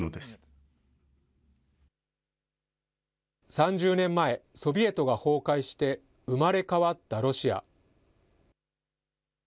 ３０年前、ソビエトが崩壊して生まれ変わったロシア。